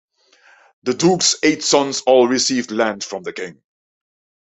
The duke's eight sons all received land from the king.